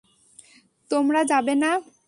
তোমরা যাবে না!